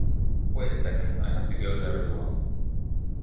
Wait a second, I have to go there as well.